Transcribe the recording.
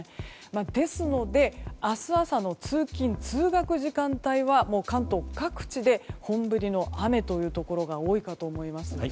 ですので、明日朝の通勤・通学時間帯は関東各地で本降りの雨というところが多いかと思います。